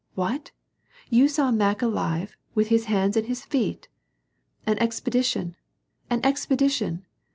" What ! you saw Mack alive — with his hands and his feet ?"" An expedition ! an expedition